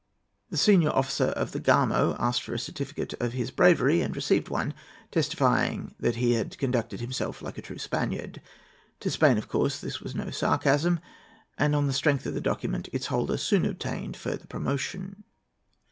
The senior officer of the Gamo asked for a certificate of his bravery, and received one testifying that he had conducted himself "like a true Spaniard." To Spain, of course, this was no sarcasm, and on the strength of the document its holder soon obtained further promotion.